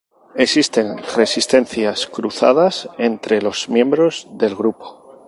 Existen resistencias cruzadas entre los miembros del grupo.